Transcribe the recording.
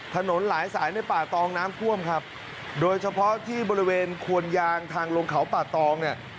ถนนหลายสายในป่าตองน้ำท่วมครับโดยเฉพาะที่บริเวณควนยางทางลงเขาป่าตองเนี่ย